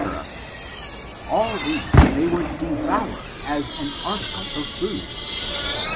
— all these they would devour as an article of food.